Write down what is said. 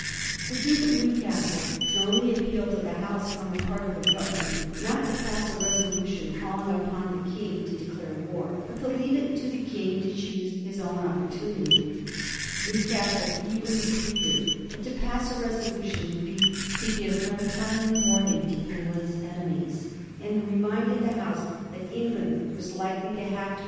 The Duke of Newcastle could only appeal to the House on the part of the Government not to pass a resolution calling upon the King to declare war, but to leave it to the King to choose his own opportunity. Newcastle feebly pleaded that to pass a resolution would be to give untimely warning to England's enemies, and reminded the House that England was likely to have to 8* 178 A HISTORY OF THE FOUR GEORGES. ch.